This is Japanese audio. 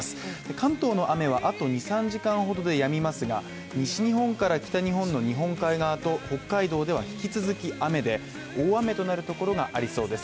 関東の雨は後に３時間ほどで止みますが、西日本から北日本の日本海側と北海道では引き続き雨で大雨となるところがありそうです。